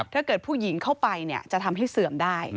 ถ้าเกิดผู้หญิงเข้าไปจะทำให้เสื่อมได้